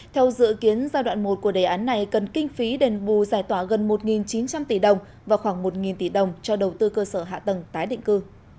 theo dự kiến giai đoạn một của đề án này cần kinh phí đền bù giải tỏa gần một chín trăm linh tỷ đồng và khoảng một tỷ đồng cho đầu tư cơ sở hạ tầng tái định cư